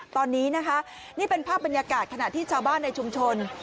ตอนนี้นะคะนี่เป็นภาพบรรยากาศขณะที่ชาวบ้านในชุมชน